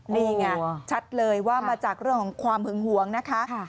นี่ไงชัดเลยว่ามาจากเรื่องของความหึงหวงนะคะ